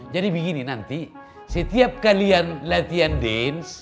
jadi begini nanti setiap kalian latihan dance